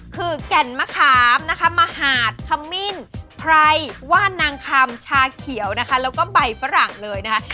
คือแก่นมะขามนะคะมหาดขมิ้นไพรว่านนางคำชาเขียวนะคะแล้วก็ใบฝรั่งเลยนะคะ